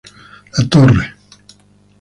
La Torre.